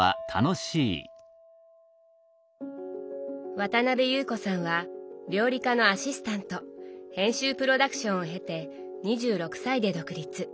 渡辺有子さんは料理家のアシスタント編集プロダクションを経て２６歳で独立。